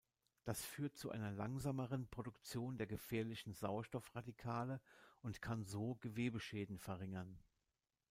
Das führt zu einer langsameren Produktion der gefährlichen Sauerstoffradikale und kann so Gewebeschäden verringern.